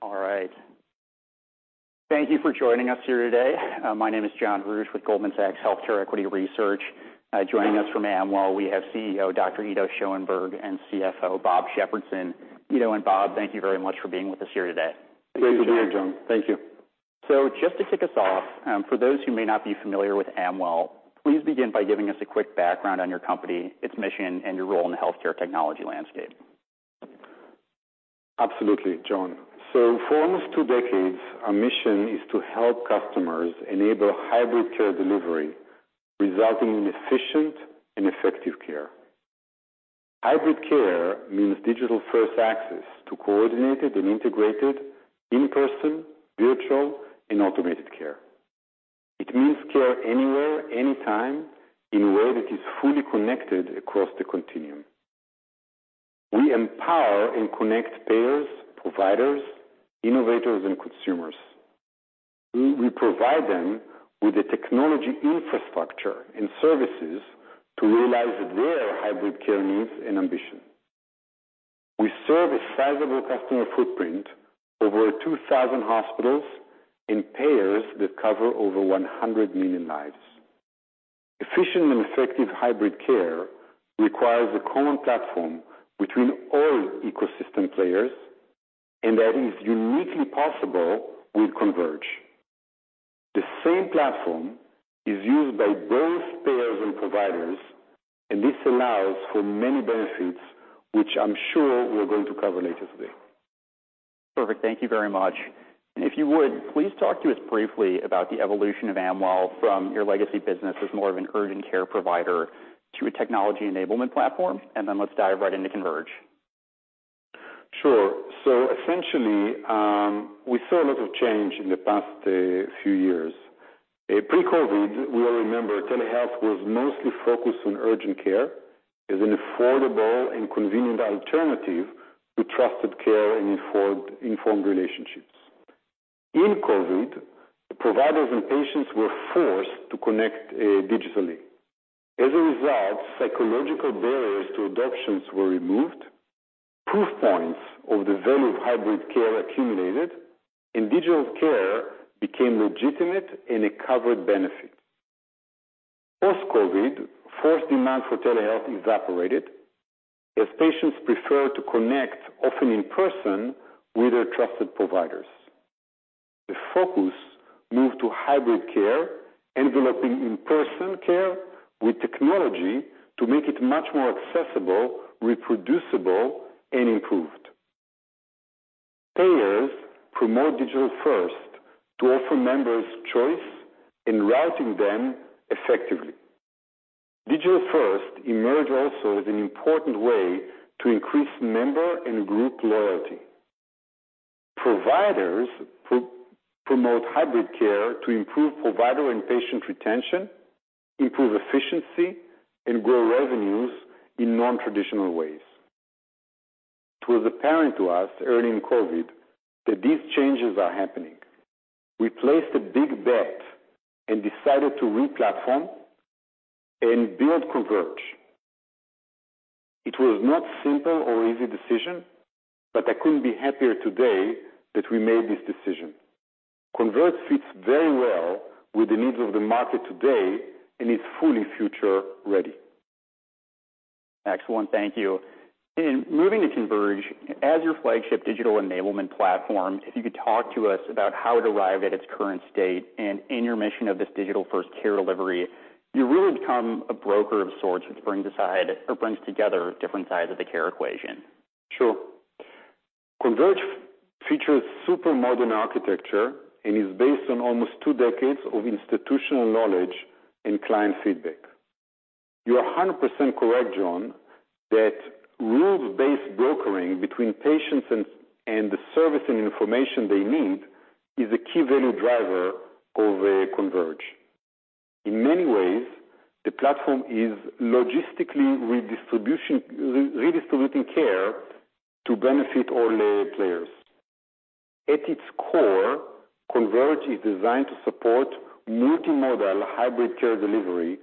All right. Thank you for joining us here today. My name is John Ruge with Goldman Sachs Healthcare Equity Research. Joining us from Amwell, we have CEO, Dr. Ido Schoenberg, and CFO, Bob Shepardson. Ido and Bob, thank you very much for being with us here today. Great to be here, John. Thank you. Just to kick us off, for those who may not be familiar with Amwell, please begin by giving us a quick background on your company, its mission, and your role in the healthcare technology landscape. Absolutely, John. For almost two decades, our mission is to help customers enable hybrid care delivery, resulting in efficient and effective care. Hybrid care means digital-first access to coordinated and integrated in-person, virtual, and automated care. It means care anywhere, anytime, in a way that is fully connected across the continuum. We empower and connect payers, providers, innovators, and consumers. We provide them with the technology, infrastructure, and services to realize their hybrid care needs and ambition. We serve a sizable customer footprint, over 2,000 hospitals, and payers that cover over 100 million lives. Efficient and effective hybrid care requires a common platform between all ecosystem players, and that is uniquely possible with Converge. The same platform is used by both payers and providers, and this allows for many benefits, which I'm sure we're going to cover later today. Perfect. Thank you very much. If you would, please talk to us briefly about the evolution of Amwell from your legacy business as more of an urgent care provider to a technology enablement platform. Let's dive right into Converge. Sure. Essentially, we saw a lot of change in the past few years. Pre-COVID, we all remember telehealth was mostly focused on urgent care as an affordable and convenient alternative to trusted care and informed relationships. In COVID, providers and patients were forced to connect digitally. As a result, psychological barriers to adoptions were removed, proof points of the value of hybrid care accumulated, and digital care became legitimate and a covered benefit. Post-COVID, forced demand for telehealth evaporated, as patients preferred to connect, often in person, with their trusted providers. The focus moved to hybrid care, enveloping in-person care with technology to make it much more accessible, reproducible, and improved. Payers promote digital-first to offer members choice in routing them effectively. Digital-first emerged also as an important way to increase member and group loyalty. Providers promote hybrid care to improve provider and patient retention, improve efficiency, and grow revenues in nontraditional ways. It was apparent to us early in COVID that these changes are happening. We placed a big bet and decided to re-platform and build Converge. It was not simple or easy decision, I couldn't be happier today that we made this decision. Converge fits very well with the needs of the market today and is fully future-ready. Excellent. Thank you. Moving to Converge, as your flagship digital enablement platform, if you could talk to us about how it arrived at its current state and in your mission of this digital-first care delivery, you really become a broker of sorts, which brings aside or brings together different sides of the care equation. Sure. Converge features super modern architecture and is based on almost two decades of institutional knowledge and client feedback. You are 100% correct, John, that rules-based brokering between patients and the service and information they need is a key value driver of Converge. In many ways, the platform is logistically redistributing care to benefit all the players. At its core, Converge is designed to support multimodal hybrid care delivery,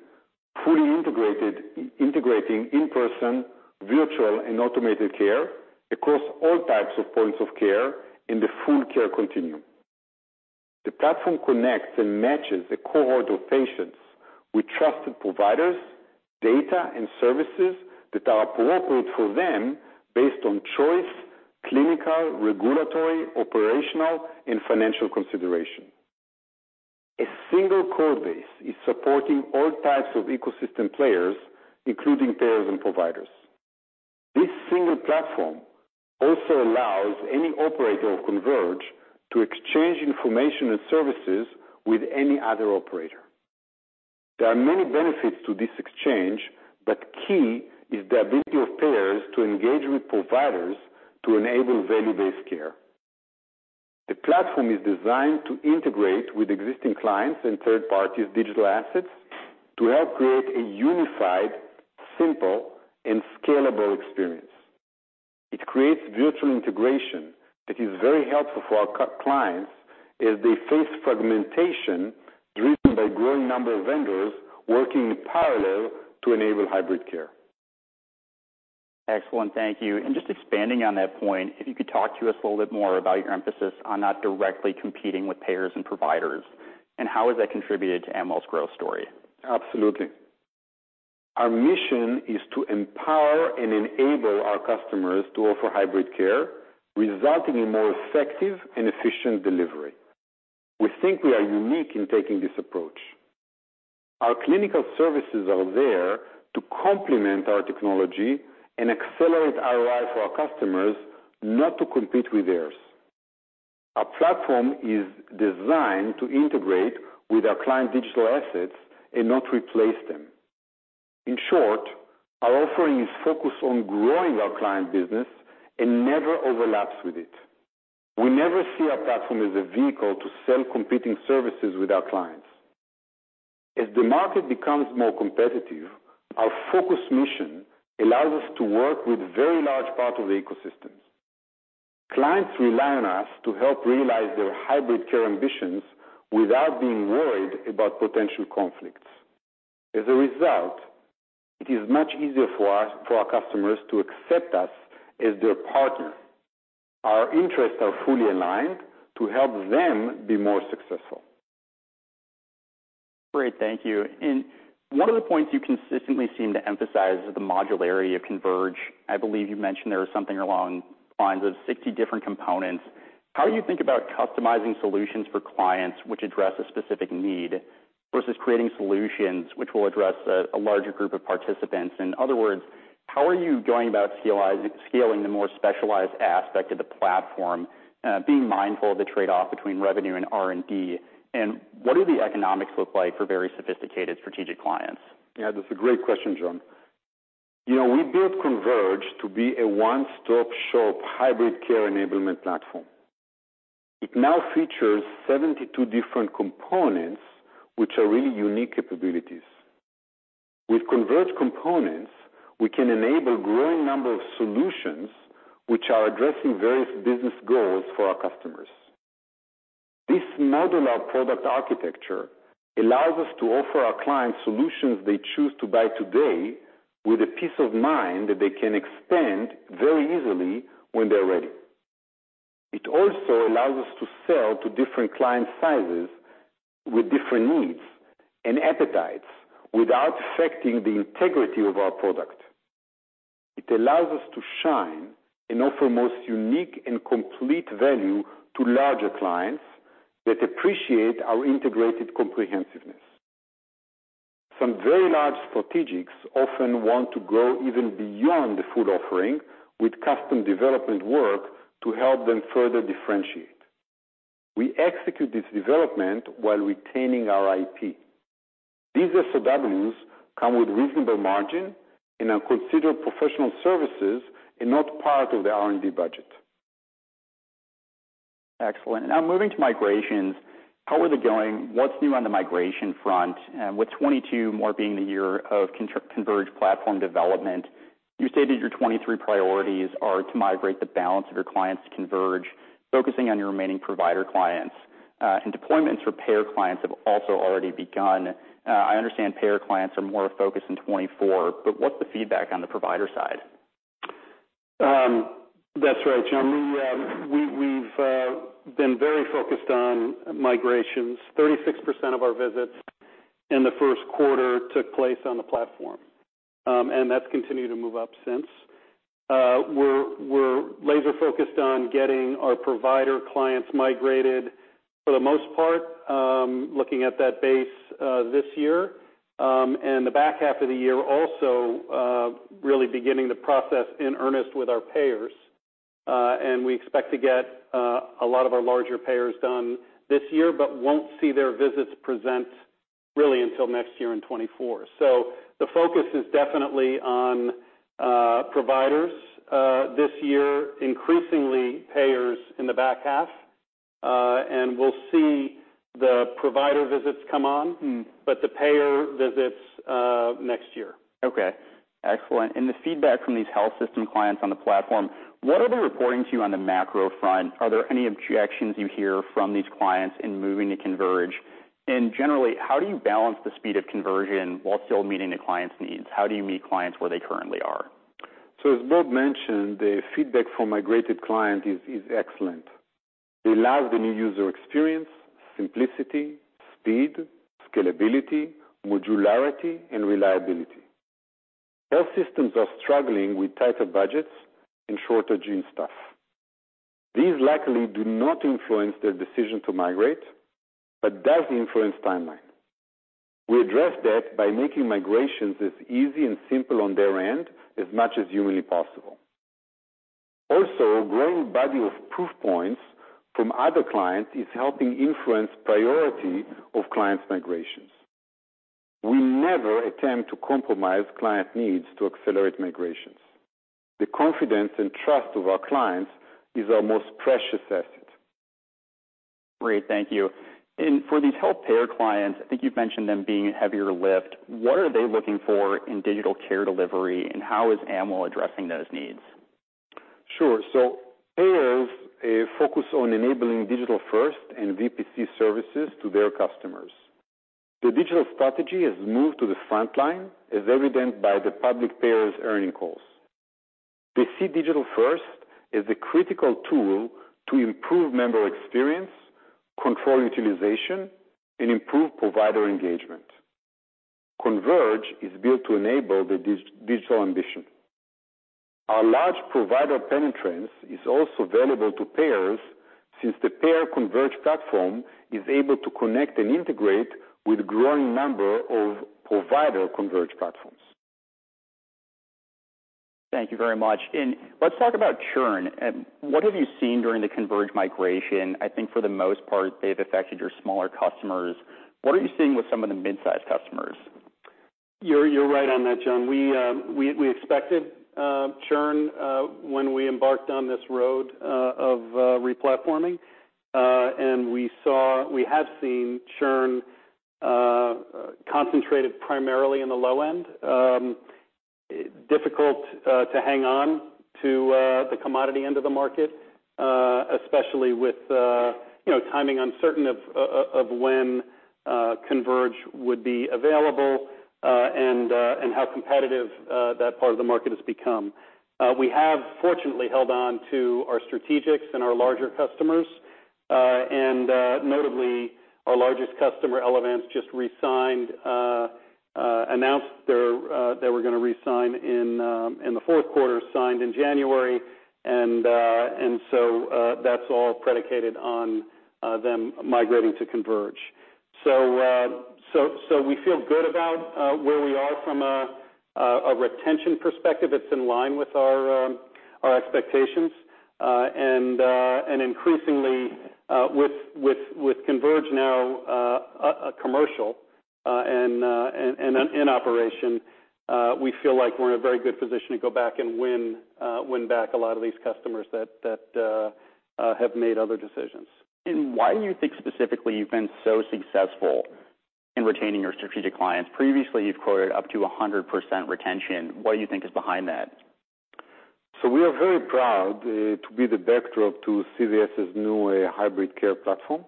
fully integrating in-person, virtual, and automated care across all types of points of care in the full care continuum. The platform connects and matches a cohort of patients with trusted providers, data, and services that are appropriate for them based on choice, clinical, regulatory, operational, and financial consideration. A single code base is supporting all types of ecosystem players, including payers and providers. This single platform also allows any operator of Converge to exchange information and services with any other operator. There are many benefits to this exchange, but key is the ability of payers to engage with providers to enable value-based care. The platform is designed to integrate with existing clients and third-party digital assets to help create a unified, simple, and scalable experience. It creates virtual integration that is very helpful for our clients as they face fragmentation driven by growing number of vendors working in parallel to enable hybrid care. Excellent. Thank you. Just expanding on that point, if you could talk to us a little bit more about your emphasis on not directly competing with payers and providers, and how has that contributed to Amwell's growth story? Absolutely. Our mission is to empower and enable our customers to offer hybrid care, resulting in more effective and efficient delivery. We think we are unique in taking this approach. Our clinical services are there to complement our technology and accelerate ROI for our customers, not to compete with theirs. Our platform is designed to integrate with our client digital assets and not replace them. In short, our offering is focused on growing our client business and never overlaps with it. We never see our platform as a vehicle to sell competing services with our clients. As the market becomes more competitive, our focused mission allows us to work with very large part of the ecosystem. Clients rely on us to help realize their hybrid care ambitions without being worried about potential conflicts. As a result, it is much easier for our customers to accept us as their partner. OuR interests are fully aligned to help them be more successful. Great, thank you. One of the points you consistently seem to emphasize is the modularity of Converge. I believe you mentioned there was something along the lines of 60 different components. How do you think about customizing solutions for clients which address a specific need, versus creating solutions which will address a larger group of participants? In other words, how are you going about scaling the more specialized aspect of the platform, being mindful of the trade-off between revenue and R&D? What do the economics look like for very sophisticated strategic clients? Yeah, that's a great question, John. You know, we built Converge to be a one-stop shop, hybrid care enablement platform. It now features 72 different components, which are really unique capabilities. With Converge components, we can enable growing number of solutions, which are addressing various business goals for our customers. This modular product architecture allows us to offer our clients solutions they choose to buy today, with the peace of mind that they can expand very easily when they're ready. It also allows us to sell to different client sizes with different needs and appetites, without affecting the integrity of our product. It allows us to shine and offer most unique and complete value to larger clients, that appreciate our integrated comprehensiveness. Some very large strategics often want to go even beyond the full offering, with custom development work to help them further differentiate. We execute this development while retaining our IP. These SOWs come with reasonable margin and are considered professional services and not part of the R&D budget. Excellent. Now, moving to migrations, how are they going? What's new on the migration front? With 2022 more being the year of Converge platform development, you stated your 2023 priorities are to migrate the balance of your clients to Converge, focusing on your remaining provider clients. Deployments for payer clients have also already begun. I understand payer clients are more focused in 2024, what's the feedback on the provider side? That's right, John. We've been very focused on migrations. 36% of our visits in the first quarter took place on the platform, and that's continued to move up since. We're laser-focused on getting our provider clients migrated, for the most part, looking at that base this year. The back half of the year, also, really beginning the process in earnest with our payers. We expect to get a lot of our larger payers done this year, but won't see their visits present, really, until next year in 2024. The focus is definitely on providers this year, increasingly payers in the back half. We'll see the provider visits come on, but the payer visits next year. Okay, excellent. The feedback from these health system clients on the platform, what are they reporting to you on the macro front? Are there any objections you hear from these clients in moving to Converge? Generally, how do you balance the speed of conversion while still meeting the client's needs? How do you meet clients where they currently are? As Bob mentioned, the feedback from migrated clients is excellent. They love the new user experience, simplicity, speed, scalability, modularity, and reliability. Health systems are struggling with tighter budgets and shortage in staff. These luckily do not influence their decision to migrate, but does influence timeline. We address that by making migrations as easy and simple on their end, as much as humanly possible. A growing body of proof points from other clients is helping influence priority of clients' migrations. We never attempt to compromise client needs to accelerate migrations. The confidence and trust of our clients is our most precious asset. Great, thank you. For these health payer clients, I think you've mentioned them being heavier lift. What are they looking for in digital care delivery, and how is Amwell addressing those needs? Sure. Payers focus on enabling digital-first and VPC services to their customers. The digital strategy has moved to the frontline, as evident by the public payers' earning calls. They see digital-first as a critical tool to improve member experience, control utilization, and improve provider engagement. Converge is built to enable the digital ambition. Our large provider penetrance is also available to payers, since the payer Converge platform is able to connect and integrate with a growing number of provider Converge platforms. Thank you very much. Let's talk about churn, and what have you seen during the Converge migration? I think for the most part, they've affected your smaller customers. What are you seeing with some of the mid-sized customers? You're right on that, John. We expected churn when we embarked on this road of re-platforming. We have seen churn concentrated primarily in the low end. Difficult to hang on to the commodity end of the market, especially with, you know, timing uncertain of when Converge would be available and how competitive that part of the market has become. We have fortunately held on to our strategics and our larger customers, and notably, our largest customer, Elevance, just re-signed, announced they're they were going to re-sign in the 4Q, signed in January. That's all predicated on them migrating to Converge. We feel good about where we are from a retention perspective. It's in line with our expectations, and increasingly, with Converge now, commercial, and in operation, we feel like we're in a very good position to go back and win back a lot of these customers that have made other decisions. Why do you think specifically you've been so successful in retaining your strategic clients? Previously, you've quoted up to 100% retention. What do you think is behind that? We are very proud to be the backdrop to CVS's new hybrid care platform.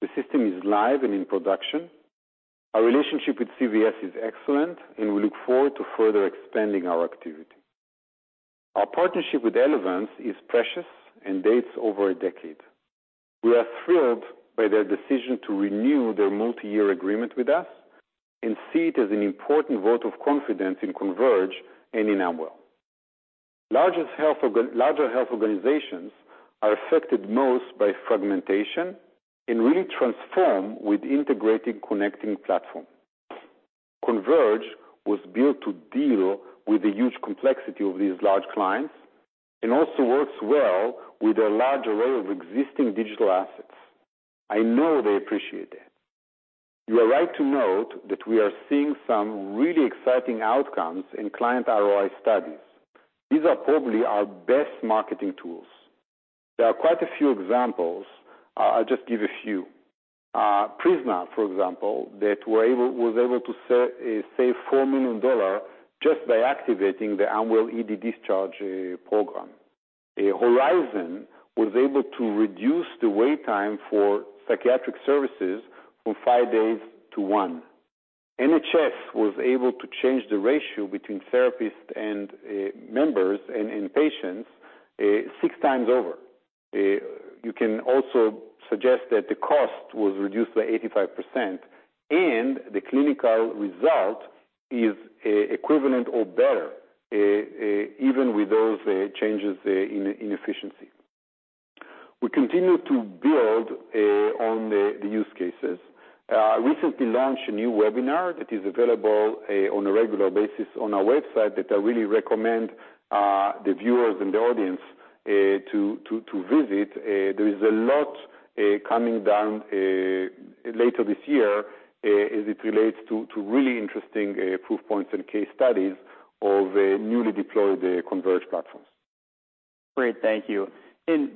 The system is live and in production. Our relationship with CVS is excellent, and we look forward to further expanding our activity. Our partnership with Elevance is precious and dates over a decade. We are thrilled by their decision to renew their multi-year agreement with us and see it as an important vote of confidence in Converge and in Amwell. Largest health larger health organizations are affected most by fragmentation and really transform with integrated connecting platform. Converge was built to deal with the huge complexity of these large clients and also works well with a large array of existing digital assets. I know they appreciate that. You are right to note that we are seeing some really exciting outcomes in client ROI studies. These are probably our best marketing tools. There are quite a few examples. I'll just give a few. Prisma, for example, that was able to save $4 million just by activating the Amwell ED discharge program. Horizon was able to reduce the wait time for psychiatric services from five days to one. NHS was able to change the ratio between therapists and members and patients, six times over. You can also suggest that the cost was reduced by 85%, and the clinical result is equivalent or better, even with those changes in efficiency. We continue to build on the use cases. We recently launched a new webinar that is available on a regular basis on our website, that I really recommend the viewers and the audience to visit. There is a lot coming down later this year as it relates to really interesting proof points and case studies of a newly deployed Converge platform. Great, thank you.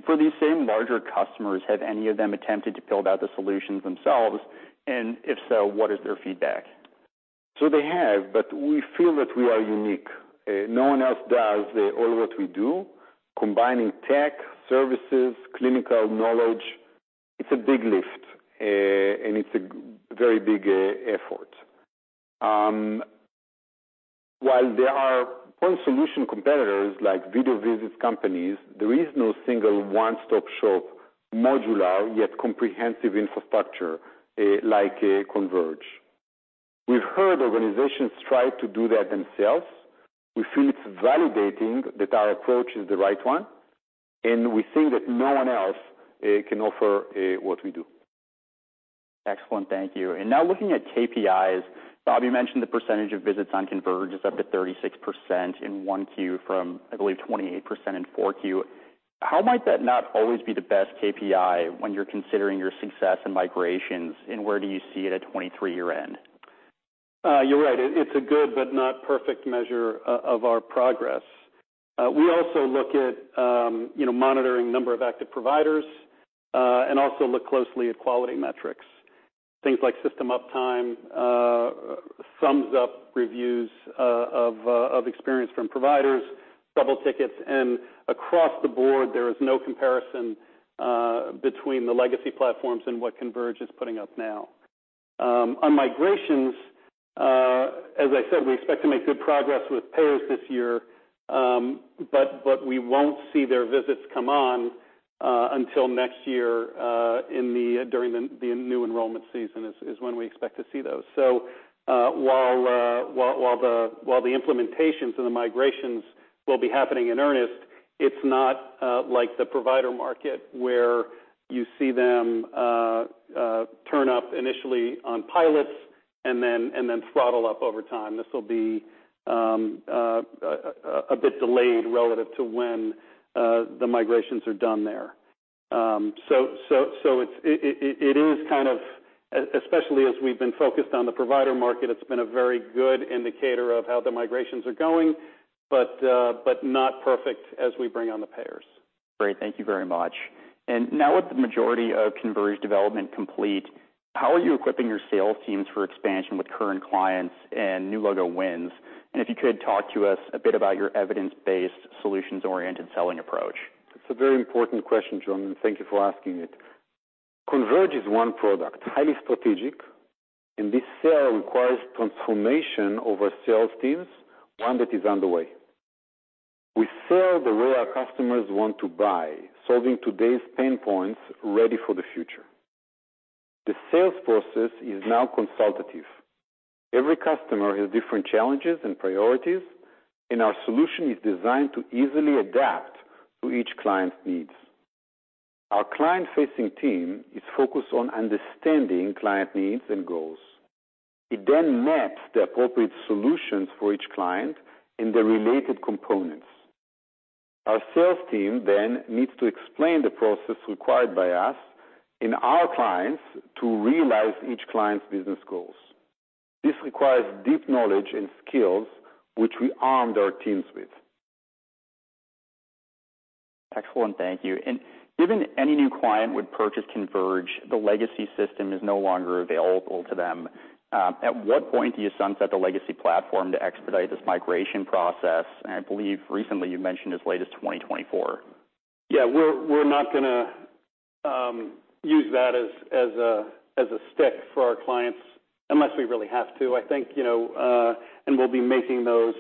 For these same larger customers, have any of them attempted to build out the solutions themselves? If so, what is their feedback? They have, but we feel that we are unique. No one else does all what we do, combining tech, services, clinical knowledge, it's a big lift, and it's a very big effort. While there are point solution competitors, like video visits companies, there is no single one-stop shop, modular, yet comprehensive infrastructure, like a Converge. We've heard organizations try to do that themselves. We feel it's validating that our approach is the right one, and we think that no one else can offer what we do. Excellent. Thank you. Now looking at KPIs, Bob, you mentioned the percentage of visits on Converge is up to 36% in 1Q from, I believe, 28% in 4Q. How might that not always be the best KPI when you're considering your success and migrations, and where do you see it at 2023 year end? You're right. It's a good but not perfect measure of our progress. We also look at, you know, monitoring number of active providers, and also look closely at quality metrics, things like system uptime, sums up reviews of experience from providers, double tickets. Across the board, there is no comparison between the legacy platforms and what Converge is putting up now. On migrations, as I said, we expect to make good progress with payers this year, we won't see their visits come on until next year, during the new enrollment season is when we expect to see those. While the implementations and the migrations will be happening in earnest, it's not like the provider market, where you see them turn up initially on pilots and then throttle up over time. This will be a bit delayed relative to when the migrations are done there. So it is kind of, especially as we've been focused on the provider market, it's been a very good indicator of how the migrations are going, but not perfect as we bring on the payers. Great. Thank you very much. Now with the majority of Converge development complete, how are you equipping your sales teams for expansion with current clients and new logo wins? If you could, talk to us a bit about your evidence-based, solutions-oriented selling approach. It's a very important question, John, and thank you for asking it. Converge is one product, highly strategic, and this sale requires transformation over sales teams, one that is underway. We sell the way our customers want to buy, solving today's pain points, ready for the future. The sales process is now consultative. Every customer has different challenges and priorities, and our solution is designed to easily adapt to each client's needs. Our client-facing team is focused on understanding client needs and goals. It then maps the appropriate solutions for each client and the related components. Our sales team then needs to explain the process required by us and our clients to realize each client's business goals. This requires deep knowledge and skills, which we armed our teams with. Excellent, thank you. Given any new client would purchase Converge, the legacy system is no longer available to them, at what point do you sunset the legacy platform to expedite this migration process? I believe recently you mentioned as late as 2024. Yeah, we're not gonna use that as a stick for our clients, unless we really have to. I think, you know, we'll be making those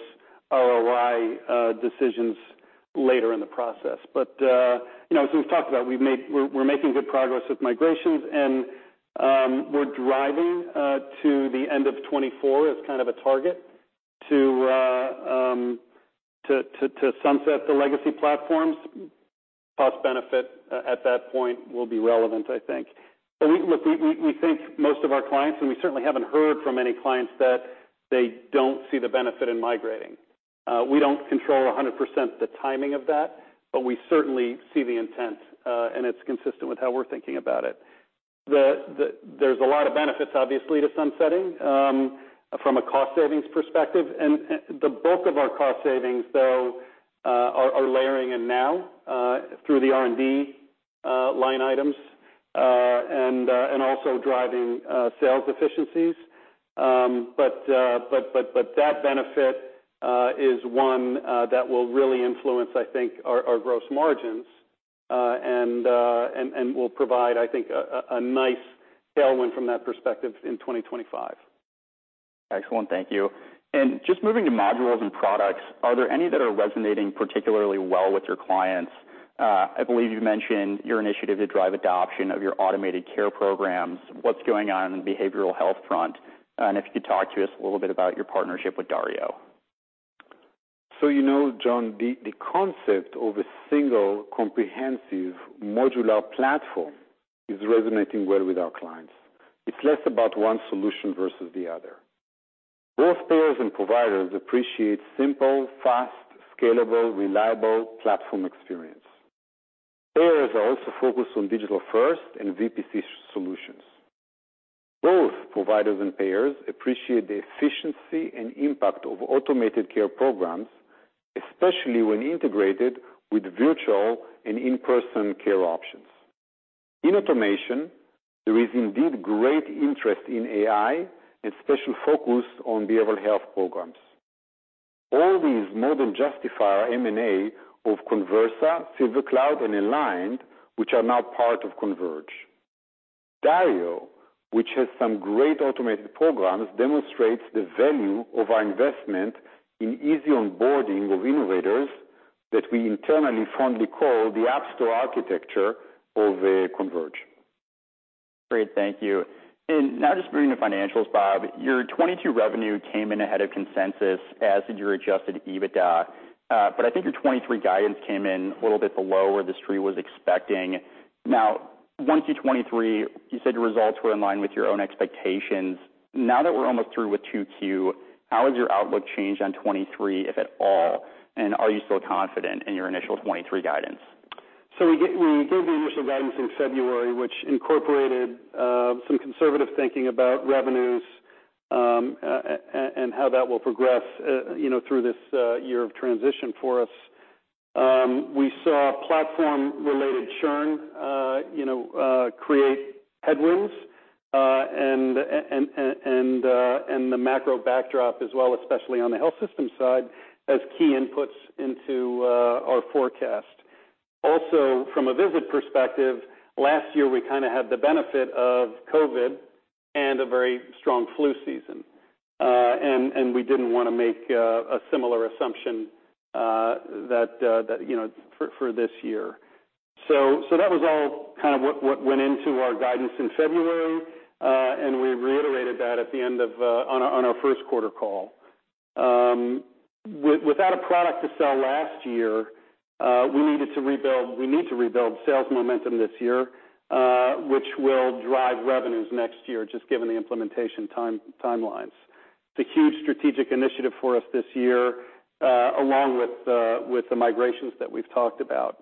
ROI decisions later in the process. You know, as we've talked about, we're making good progress with migrations, and we're driving to the end of 2024 as kind of a target to sunset the legacy platforms. Cost benefit at that point will be relevant, I think. We look, we think most of our clients, and we certainly haven't heard from any clients, that they don't see the benefit in migrating. We don't control 100% the timing of that, but we certainly see the intent, and it's consistent with how we're thinking about it. There's a lot of benefits, obviously, to sunsetting from a cost savings perspective. The bulk of our cost savings, though, are layering in now through the R&D line items and also driving sales efficiencies. That benefit is one that will really influence, I think, our gross margins and will provide, I think, a nice tailwind from that perspective in 2025. Excellent. Thank you. Just moving to modules and products, are there any that are resonating particularly well with your clients? I believe you mentioned your initiative to drive adoption of your automated care programs. What's going on in the behavioral health front? If you could talk to us a little bit about your partnership with DarioHealth. You know, John, the concept of a single, comprehensive, modular platform is resonating well with our clients. It's less about one solution versus the other. Both payers and providers appreciate simple, fast, scalable, reliable platform experience. Payers are also focused on digital-first and VPC solutions. Both providers and payers appreciate the efficiency and impact of automated care programs, especially when integrated with virtual and in-person care options. In automation, there is indeed great interest in AI and special focus on behavioral health programs. All these more than justify our M&A of Conversa, SilverCloud Health, and Aligned, which are now part of Converge. Dario, which has some great automated programs, demonstrates the value of our investment in easy onboarding of innovators that we internally fondly call the App Store architecture of Converge. Great. Thank you. Now just moving to financials, Bob, your 2022 revenue came in ahead of consensus, as did your adjusted EBITDA, but I think your 2023 guidance came in a little bit below where the street was expecting. Now, once in 2023, you said your results were in line with your own expectations. Now that we're almost through with 2Q, how has your outlook changed on 2023, if at all, and are you still confident in your initial 2023 guidance? We gave the initial guidance in February, which incorporated some conservative thinking about revenues and how that will progress through this year of transition for us. We saw platform-related churn create headwinds and the macro backdrop as well, especially on the health system side, as key inputs into our forecast. Also, from a visit perspective, last year, we kind of had the benefit of COVID and a very strong flu season. And we didn't want to make a similar assumption that for this year. That was all kind of what went into our guidance in February, and we reiterated that at the end of on our first quarter call. Without a product to sell last year, we need to rebuild sales momentum this year, which will drive revenues next year, just given the implementation time, timelines. It's a huge strategic initiative for us this year, along with the migrations that we've talked about.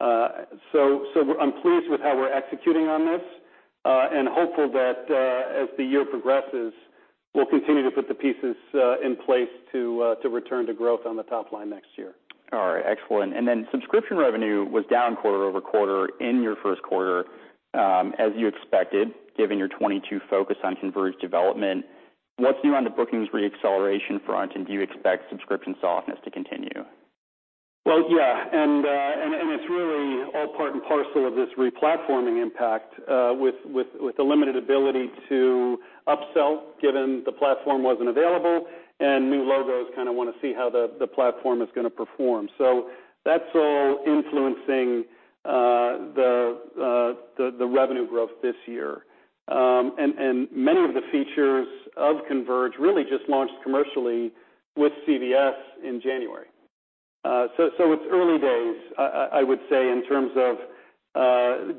I'm pleased with how we're executing on this, and hopeful that as the year progresses, we'll continue to put the pieces in place to return to growth on the top line next year. All right. Excellent. Subscription revenue was down quarter-over-quarter in your first quarter, as you expected, given your 2022 focus on Converge development. What's new on the bookings reacceleration front, and do you expect subscription softness to continue? Well, yeah, and it's really all part and parcel of this replatforming impact, with the limited ability to upsell, given the platform wasn't available, and new logos kind of want to see how the platform is going to perform. That's all influencing the revenue growth this year. Many of the features of Converge really just launched commercially with CVS in January. It's early days, I would say, in terms of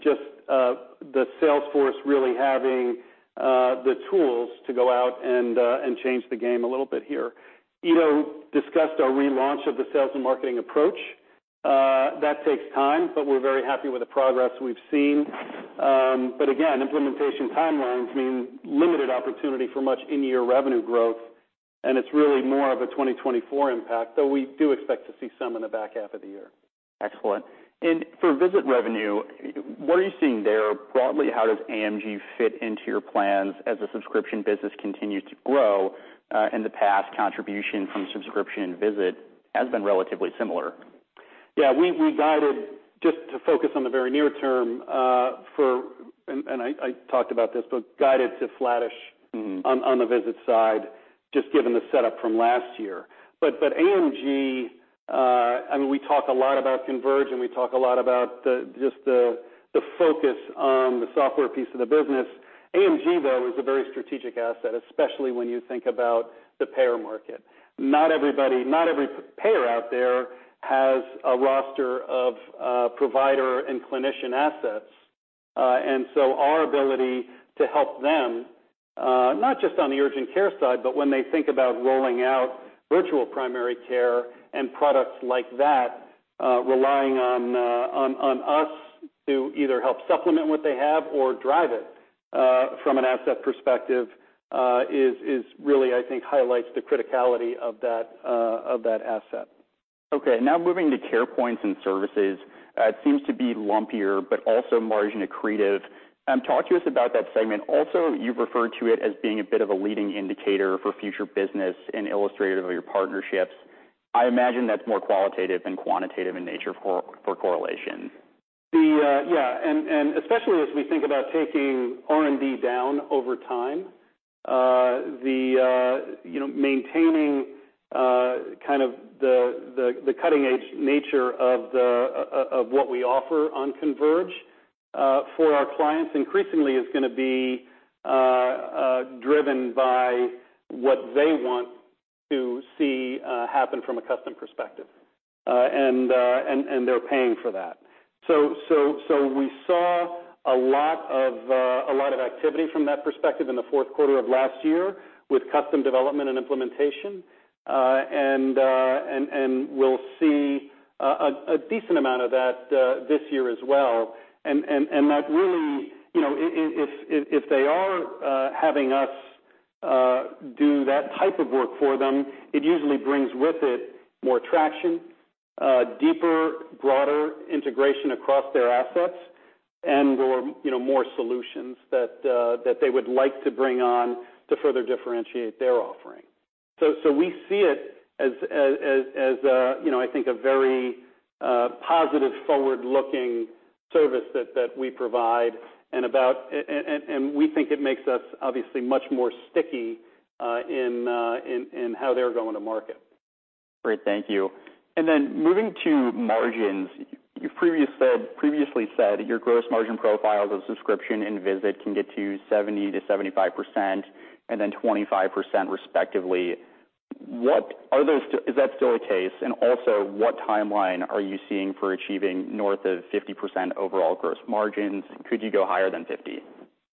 just the sales force really having the tools to go out and change the game a little bit here. Ido Schoenberg discussed our relaunch of the sales and marketing approach. That takes time, but we're very happy with the progress we've seen. Again, implementation timelines mean limited opportunity for much in-year revenue growth, and it's really more of a 2024 impact, though we do expect to see some in the back half of the year. Excellent. For visit revenue, what are you seeing there? Broadly, how does AMG fit into your plans as the subscription business continues to grow, in the past, contribution from subscription visit has been relatively similar. Yeah, we guided just to focus on the very near term, for. I talked about this, but guided to flattish-. Mm-hmm. on the visit side, just given the setup from last year. AMG, I mean, we talk a lot about Converge, and we talk a lot about the focus on the software piece of the business. AMG, though, is a very strategic asset, especially when you think about the payer market. Not everybody, not every payer out there has a roster of provider and clinician assets, and so our ability to help them, not just on the urgent care side, but when they think about rolling out virtual primary care and products like that, relying on us to either help supplement what they have or drive it from an asset perspective, is really, I think, highlights the criticality of that of that asset. Now moving to Carepoint and services. It seems to be lumpier, but also margin accretive. Talk to us about that segment. You've referred to it as being a bit of a leading indicator for future business and illustrative of your partnerships. I imagine that's more qualitative than quantitative in nature for correlation. Yeah, especially as we think about taking R&D down over time, you know, maintaining, kind of the cutting edge nature of what we offer on Converge, for our clients increasingly is gonna be driven by what they want to see happen from a custom perspective. They're paying for that. We saw a lot of activity from that perspective in the 4Q of last year with custom development and implementation. We'll see a decent amount of that this year as well. That really, you know, if they are having us do that type of work for them, it usually brings with it more traction, deeper, broader integration across their assets and more, you know, more solutions that they would like to bring on to further differentiate their offering. We see it as, you know, I think, a very positive, forward-looking service that we provide and we think it makes us obviously much more sticky in how they're going to market. Great. Thank you. Then moving to margins. You've previously said that your gross margin profiles of subscription and visit can get to 70%-75% and then 25% respectively. Is that still the case? Also, what timeline are you seeing for achieving north of 50% overall gross margins? Could you go higher than 50?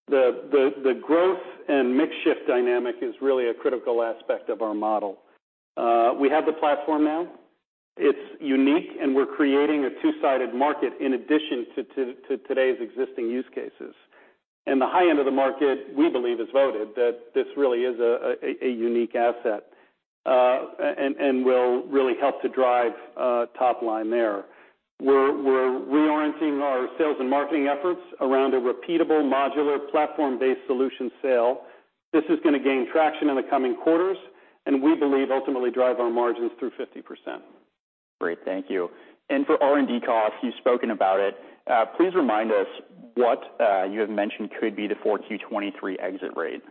The growth and mix shift dynamic is really a critical aspect of our model. We have the platform now. It's unique, and we're creating two-sided market in addition to today's existing use cases. The high end of the market, we believe, has voted that this really is a unique asset, and will really help to drive top line there. We're reorienting our sales and marketing efforts around a repeatable modular platform-based solution sale. This is gonna gain traction in the coming quarters, and we believe ultimately drive our margins through 50%. Great, thank you. For R&D costs, you've spoken about it, please remind us what you have mentioned could be the 4Q 2023 exit rate?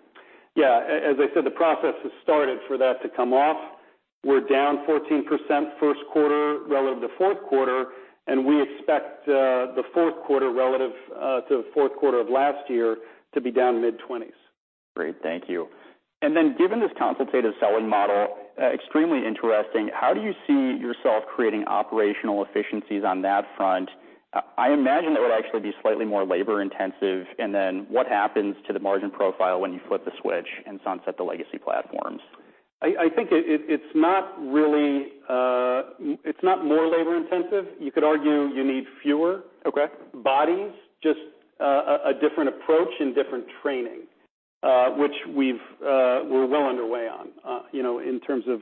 Yeah, as I said, the process has started for that to come off. We're down 14% first quarter relative to 4Q. We expect the 4Q relative to the 4Q of last year to be down mid-20s. Great, thank you. Given this consultative selling model, extremely interesting, how do you see yourself creating operational efficiencies on that front? I imagine that would actually be slightly more labor-intensive. What happens to the margin profile when you flip the switch and sunset the legacy platforms? I think it's not really. It's not more labor-intensive. You could argue you need fewer- Okay. -bodies, just, a different approach and different training, which we've, we're well underway on, you know, in terms of,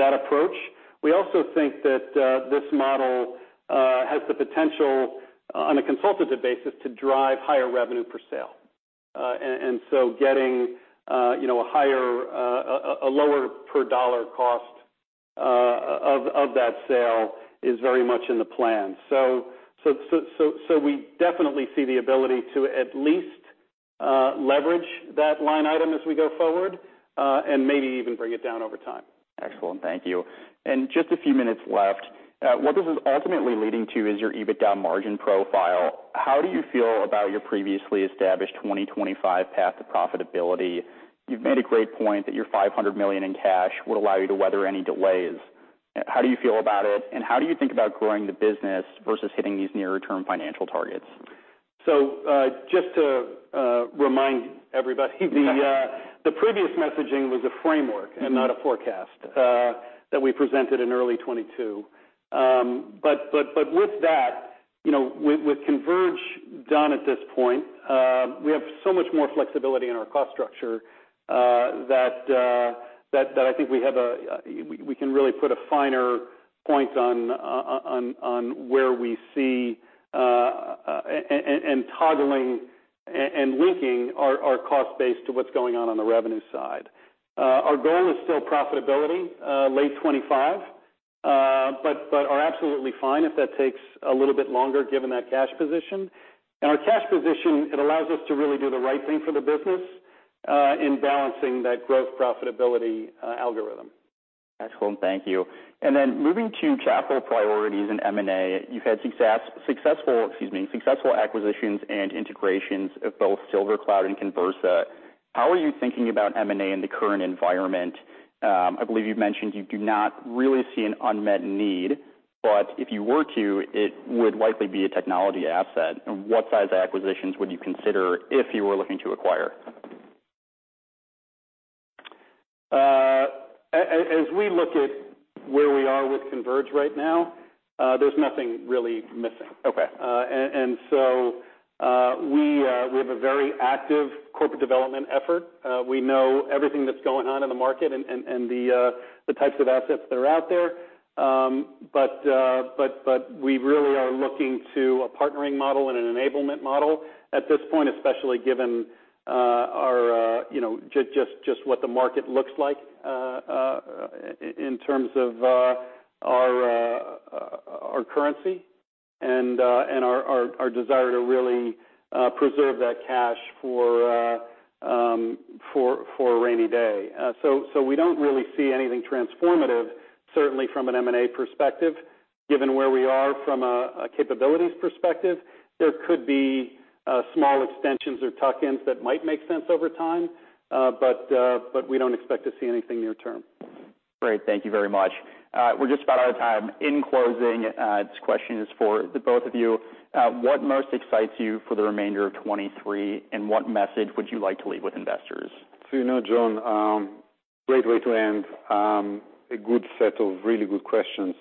that approach. We also think that, this model, has the potential, on a consultative basis, to drive higher revenue per sale. Getting, you know, a higher, a lower per dollar cost of that sale is very much in the plan. We definitely see the ability to at least leverage that line item as we go forward and maybe even bring it down over time. Excellent, thank you. Just a few minutes left. What this is ultimately leading to is your EBITDA margin profile. How do you feel about your previously established 2025 path to profitability? You've made a great point that your $500 million in cash would allow you to weather any delays. How do you feel about it, and how do you think about growing the business versus hitting these near-term financial targets? Just to, remind everybody, the previous messaging was a framework. Mm-hmm. and not a forecast that we presented in early 2022. With that, with Converge done at this point, we have so much more flexibility in our cost structure that I think we have a, we can really put a finer point on where we see and toggling and linking our cost base to what's going on on the revenue side. Our goal is still profitability late 2025, but are absolutely fine if that takes a little bit longer, given that cash position. Our cash position, it allows us to really do the right thing for the business in balancing that growth profitability algorithm. Excellent, thank you. Then moving to capital priorities and M&A, you've had successful, excuse me, successful acquisitions and integrations of both SilverCloud Health and Conversa Health. How are you thinking about M&A in the current environment? I believe you've mentioned you do not really see an unmet need, but if you were to, it would likely be a technology asset. What size acquisitions would you consider if you were looking to acquire? As we look at where we are with Converge right now, there's nothing really missing. Okay. We have a very active corporate development effort. We know everything that's going on in the market and the types of assets that are out there. We really are looking to a partnering model and an enablement model at this point, especially given our, you know, just what the market looks like in terms of our currency and our desire to really preserve that cash for a rainy day. We don't really see anything transformative, certainly from an M&A perspective. Given where we are from a capabilities perspective, there could be small extensions or tuck-ins that might make sense over time, but we don't expect to see anything near term. Great. Thank you very much. We're just about out of time. In closing, this question is for the both of you. What most excites you for the remainder of 2023, and what message would you like to leave with investors? You know, John, great way to end a good set of really good questions.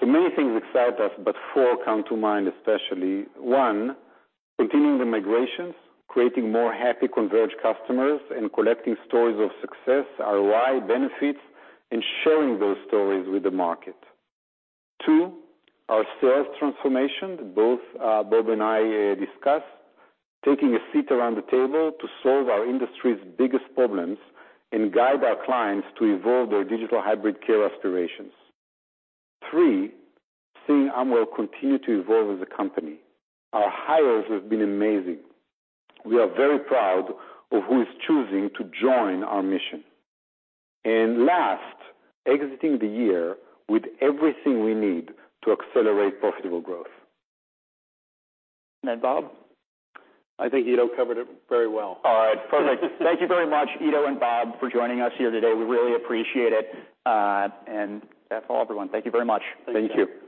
Many things excite us, but 4 come to mind, especially. One, continuing the migrations, creating more happy Converge customers, and collecting stories of success, ROI, benefits, and sharing those stories with the market. Two, our sales transformation, both Bob and I discussed, taking a seat around the table to solve our industry's biggest problems and guide our clients to evolve their digital hybrid care aspirations. Three, seeing Amwell continue to evolve as a company. Our hires have been amazing. We are very proud of who is choosing to join our mission. Last, exiting the year with everything we need to accelerate profitable growth. Bob? I think Ido covered it very well. All right, perfect. Thank you very much, Ido and Bob, for joining us here today. We really appreciate it. That's all, everyone. Thank you very much. Thank you. Thank you.